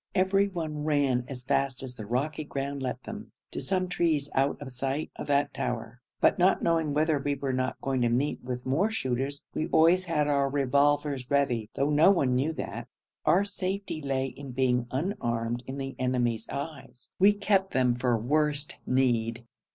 Everyone ran as fast as the rocky ground let them, to some trees out of sight of that tower, but not knowing whether we were not going to meet with more shooters, we always had our revolvers ready, though no one knew that; our safety lay in being unarmed in the enemies' eyes; we kept them for worse need.